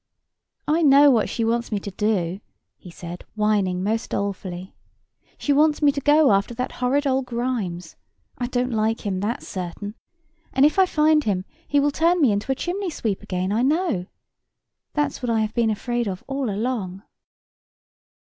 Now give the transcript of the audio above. "I know what she wants me to do," he said, whining most dolefully. "She wants me to go after that horrid old Grimes. I don't like him, that's certain. And if I find him, he will turn me into a chimney sweep again, I know. That's what I have been afraid of all along."